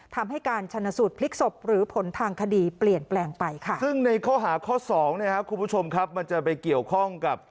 ทำให้การชนสูตรพลิกศพหรือผลทางคดีเปลี่ยนแปลงไปค่ะ